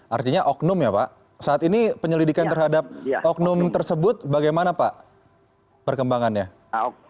artinya oknum ya pak saat ini penyelidikan terhadap oknum tersebut bagaimana pak perkembangannya